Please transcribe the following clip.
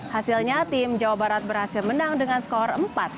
hasilnya tim jawa barat berhasil menang dengan skor empat satu